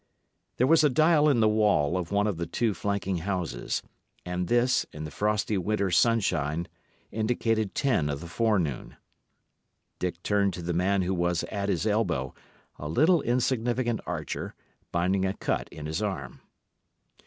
There was a dial in the wall of one of the two flanking houses; and this, in the frosty winter sunshine, indicated ten of the forenoon. Dick turned to the man who was at his elbow, a little insignificant archer, binding a cut in his arm.